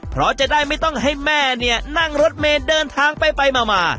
เพราะจะได้ไม่ต้องให้แม่เนี่ยนั่งรถเมย์เดินทางไปมา